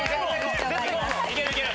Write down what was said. いけるいける！